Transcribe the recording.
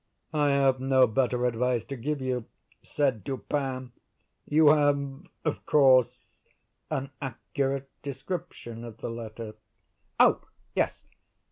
"I have no better advice to give you," said Dupin. "You have, of course, an accurate description of the letter?" "Oh yes!"